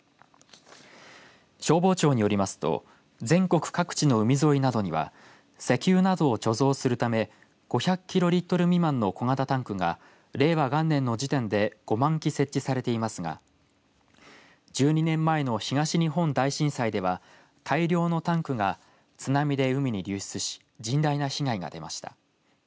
消防庁によりますと全国各地の海沿いなどには石油などを貯蔵するため５００キロリットル未満の小型タンクが令和元年の時点で５万基設置されていますが１２年前の東日本大震災では大量のタンクが津波で海に流出し甚大な被害が出ました。